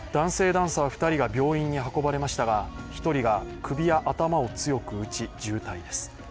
ダンサー２人が病院に運ばれましたが１人が首や頭を強く打ち、重体です。